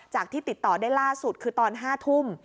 ที่ติดต่อได้ล่าสุดคือตอน๕ทุ่ม